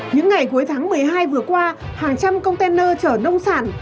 những ngày cuối tháng một mươi hai vừa qua hàng trăm container chở nông sản